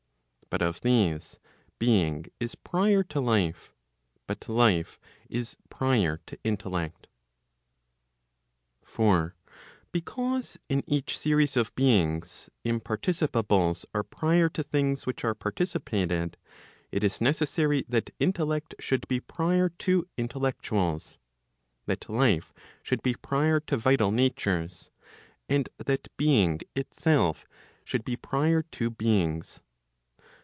But of these, being is prior to life, but life is prior to intellect. For because in each series of beings, imparticipables are prior to things' which are participated, it is necessary that intellect should be prior to intellectuals, that life should be prior to vital natures, and that being itself should be prior to beings.